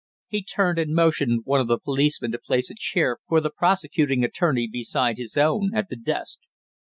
He turned and motioned one of the policemen to place a chair for the prosecuting attorney beside his own at the desk.